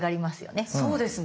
そうですね。